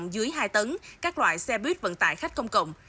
dưới hai tấn các loại xe buýt vận tải khách công cộng